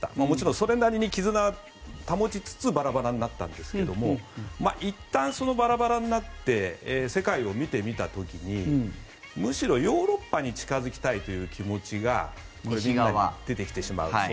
もちろんそれなりに絆は保ちつつバラバラになったんですけどもいったんバラバラになって世界を見てみた時にむしろヨーロッパに近付きたいという気持ちが出てきてしまう。